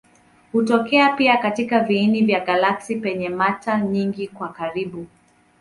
Hutokea pia katika viini vya galaksi penye mata nyingi kwa karibu.